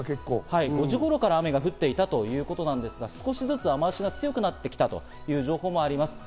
５時頃から降っていたということで、少しずつ雨脚が強くなってきたという情報もあります。